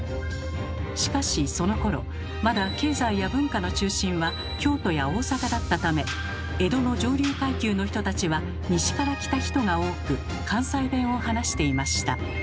しかしそのころまだ経済や文化の中心は京都や大坂だったため江戸の上流階級の人たちは西から来た人が多く関西弁を話していました。